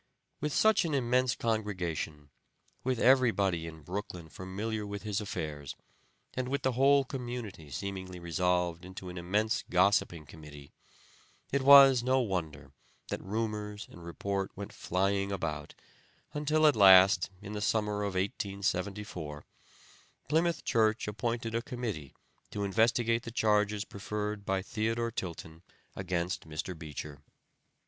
With such an immense congregation, with everybody in Brooklyn familiar with his affairs, and with the whole community seemingly resolved into an immense gossiping committee, it was no wonder that rumors and report went flying about until at last, in the summer of 1874, Plymouth Church appointed a committee to investigate the charges preferred by Theodore Tilton against Mr. Beecher.